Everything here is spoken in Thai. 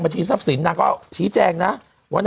มันติดคุกออกไปออกมาได้สองเดือน